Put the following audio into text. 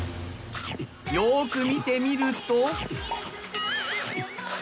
よく見てみると。